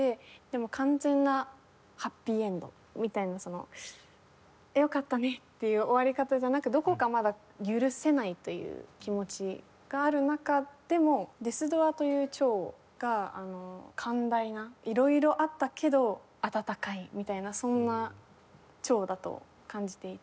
でも完全なハッピーエンドみたいなその「よかったね」っていう終わり方じゃなくどこかまだ許せないという気持ちがある中でもＤｅｓ−ｄｕｒという調が寛大な色々あったけど温かいみたいなそんな調だと感じていて。